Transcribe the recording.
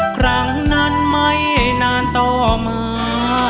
ครั้งนั้นไม่นานต่อมา